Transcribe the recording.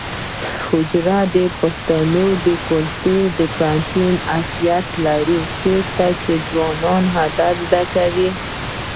حجره د پښتنو د کلتوري پوهنتون حیثیت لري چیرته چې ځوانان ادب زده کوي.